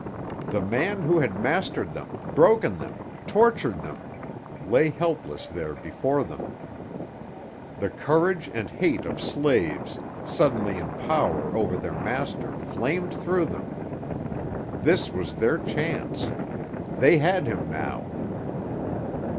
The man who had mastered them, broken them, tortured them, lay helpless there before them. The courage and hate of slaves suddenly in power over their master flamed through them. This was their chance; they had him now.